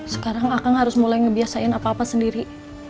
sekarang akang harus mulai ngebiasain apa apa sendiri